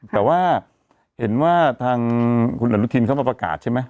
แต่ว่าเห็นว่าทางคุณอนุทินเข้ามาประกาศใช่ไหม